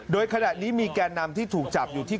โดยขณะนี้มีแก่นำที่ถูกจับอยู่ที่